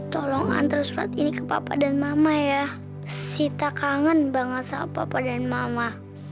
tolong antar surat ini ke papa dan mama ya sita kangen banget sama papa dan mama